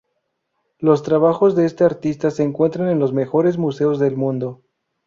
Los trabajos de este artista se encuentran en los mejores museos del mundo.